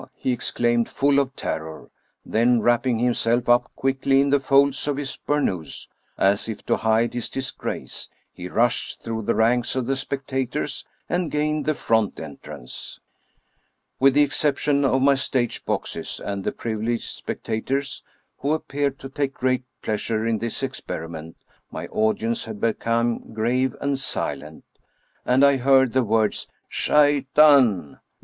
" he exclaimed, full of terror ; then wrap ping himself up quickly in the folds of his burnous, as if to hide his disgrace, he rushed through the ranks of the spectators and gained the front entrance. With the exception of my stage boxes and the privileged spectators who appeared to take great pleasure in this ex periment, my audience had become grave and silent, and I heard the words " Shaitan